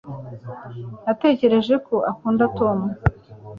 natekereje ko ukunda tom